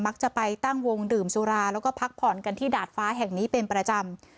จะไปตั้งวงดื่มสุราแล้วก็พักผ่อนกันที่ดาดฟ้าแห่งนี้เป็นประจำ